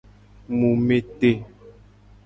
Mu me te.